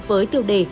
với tiêu đề